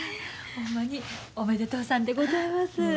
ほんまにおめでとうさんでございます。